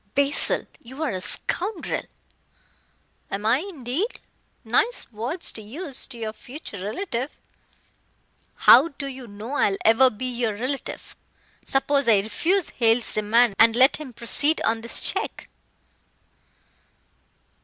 "Basil, you are a scoundrel!" "Am I, indeed? Nice words to use to your future relative." "How do you know I will ever be your relative. Suppose I refuse Hale's demand, and let him proceed on this check?"